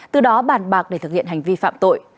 từ đó bàn bạc để thực hiện hành vi phạm tội